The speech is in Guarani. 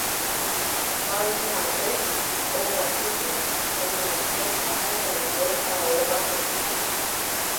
Maymave ogapýpe onohẽ ha omonde ao akumi